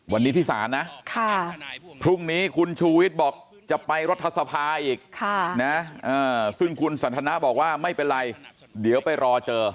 วันนี้ที่ศาลนะพรุ่งนี้คุณชูวิทย์บอกจะไปรัฐสภาอีกซึ่งคุณสันทนาบอกว่าไม่เป็นไรเดี๋ยวไปรอเจอ